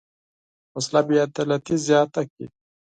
وسله بېعدالتي زیاته کړې